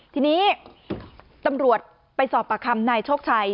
ทีนี้ตำรวจไปสอบปากคำนายโชคชัย